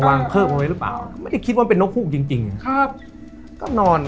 ไม่ได้คิดว่าน็อคหลุก